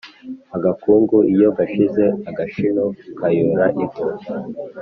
Agakungu iyo gashize agashino kayora ivu.